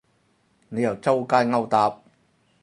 你又周街勾搭